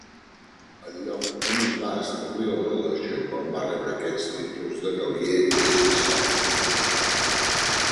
El lloc on es va establir la legió quan va rebre aquests títols de Gal·liè és incert.